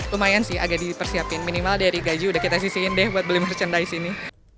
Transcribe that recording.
lumayan sih agak dipersiapin minimal dari gaji udah kita sisihin deh buat beli merchandise ini